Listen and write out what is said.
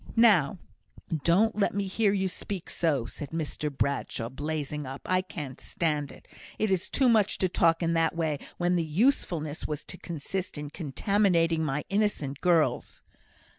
"Now, don't let me hear you speak so," said Mr Bradshaw, blazing up. "I can't stand it. It is too much to talk in that way when the usefulness was to consist in contaminating my innocent girls."